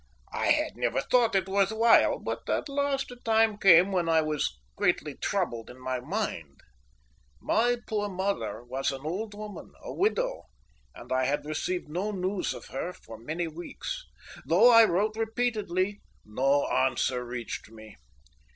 I had never thought it worth while, but at last a time came when I was greatly troubled in my mind. My poor mother was an old woman, a widow, and I had received no news of her for many weeks. Though I wrote repeatedly, no answer reached me.